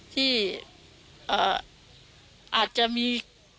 ที่อาจจะมี